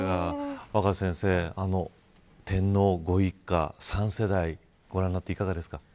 若狭先生、天皇ご一家３世代ご覧になっていかがですか。